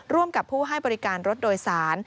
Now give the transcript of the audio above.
ร่วมกับผู้ให้บริการรถโดยสาร